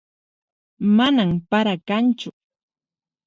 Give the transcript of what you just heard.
Manan para kanchu